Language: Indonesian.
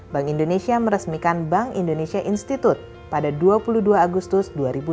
bank indonesia meresmikan bank indonesia institute pada dua puluh dua agustus dua ribu dua puluh